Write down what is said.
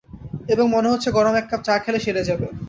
এবং মনে হচ্ছে গরম এক কাপ চা খেলে সেরে যাবে।